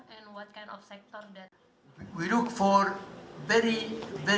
pembangunan indonesia dan beberapa sektor yang berbeda